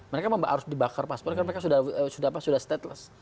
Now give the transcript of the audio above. mereka harus dibakar paspor karena mereka sudah apa sudah stateless